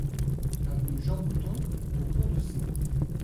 Avenue Jean Boutton aux Ponts-de-Cé